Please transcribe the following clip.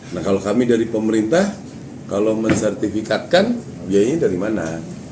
nah kalau kami dari pemerintah kalau mensertifikatkan biayanya dari mana